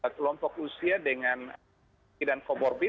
kelompok usia dengan kemungkinan komorbid